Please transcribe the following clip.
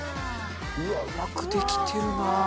うわ、うまく出来てるな。